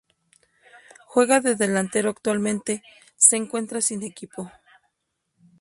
Juega de delantero actualmente se encuentra sin equipo.